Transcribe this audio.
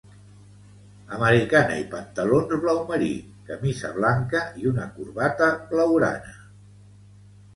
Americana i pantalons blau marí, camisa blanca i una corbata blaugrana.